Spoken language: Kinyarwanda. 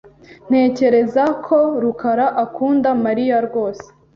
Ntekereza ko Rukara akunda Mariya rwose.